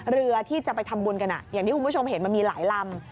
เรือที่จะไปทำบุญกันอย่างที่คุณผู้ชมเห็นมันมีหลายลำ